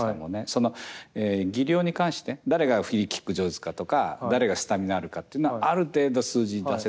その技量に関して誰がフリーキック上手かとか誰がスタミナあるかっていうのはある程度数字に出せそうですけど。